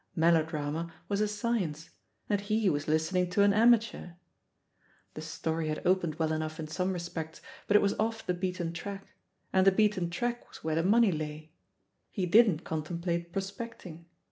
Melodrama was a science, and he was listening to an amateur! The story had opened well enough in some respects, but it was off the beaten track, and the beaten track THE POSITION OF PEGGY HARPER 119 was where the money lay — he didn't contemplate prospecting.